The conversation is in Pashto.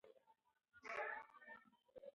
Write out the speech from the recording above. که موټر جوړ وي، موږ به حرکت وکړو.